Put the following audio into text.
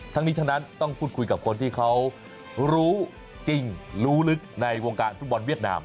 ทั้งนี้ทั้งนั้นต้องพูดคุยกับคนที่เขารู้จริงรู้ลึกในวงการฟุตบอลเวียดนาม